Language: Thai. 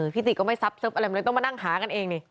พี่ตี๋ก็ไม่ซับเซิฟอะไรมันเลยต้องมานั่งหากันเอง